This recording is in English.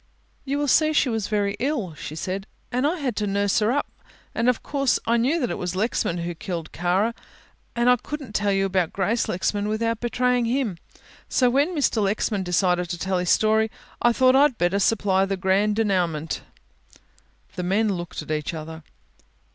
"You see she was very ill," she said, "and I had to nurse her up, and of course I knew that it was Lexman who had killed Kara and I couldn't tell you about Grace Lexman without betraying him. So when Mr. Lexman decided to tell his story, I thought I'd better supply the grand denouement." The men looked at one another.